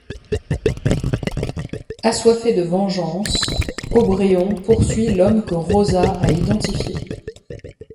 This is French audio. Assoiffé de vengeance, Obreon poursuit l'homme que Rosa a identifié.